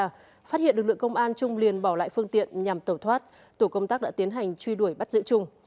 phát hiện lực lượng công an trung liền bỏ lại phương tiện nhằm tẩu thoát tổ công tác đã tiến hành truy đuổi bắt giữ trung